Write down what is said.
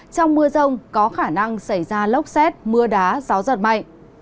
trong mưa rông có khả năng xảy ra lốc xét mưa đá gió giật mạnh